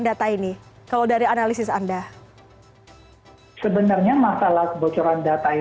mengapa indonesia masih berkutat dengan permasalahan kebocoran data ini